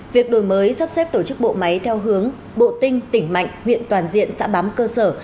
việc đổi mới sắp xếp tổ chức bộ máy theo hướng bộ tinh tỉnh mạnh huyện toàn diện xã bám cơ sở